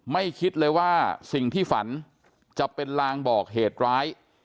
คิดเลยว่าสิ่งที่ฝันจะเป็นลางบอกเหตุร้าย